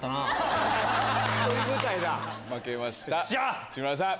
負けました内村さん